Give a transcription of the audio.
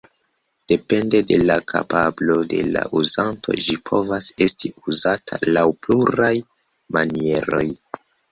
Depende de la kapablo de la uzanto, ĝi povas esti uzata laŭ pluraj manieroj.